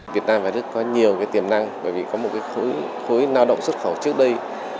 việt nam và đức có nhiều tiềm năng bởi vì có một khối lao động xuất khẩu trước đây